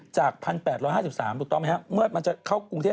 จาก๑๘๕๓ถูกต้องไหมครับเมื่อมันจะเข้ากรุงเทพ